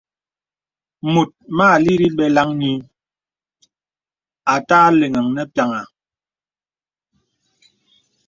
Mùt mà àlìrī beləŋghi à tà àleŋ nə pīaŋha.